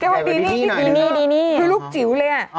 เจ้าอ้วนดีนี่คือลูกจิ๋วเลย